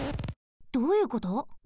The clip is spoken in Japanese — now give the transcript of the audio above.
どういうこと？